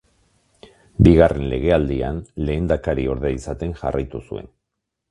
Bigarren legealdian, lehendakariorde izaten jarraitu zuen.